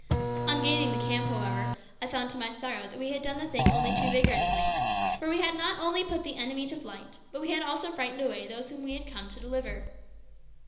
On gaining the camp, however, I found, to my sorrow, that we had done the thing only too vigorously; for we had not only put the enemy to flight, but we had also frightened away those whom we had come to deliver!